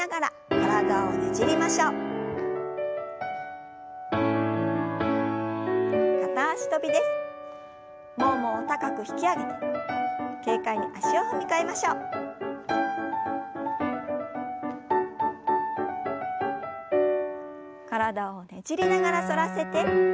体をねじりながら反らせて斜め下へ。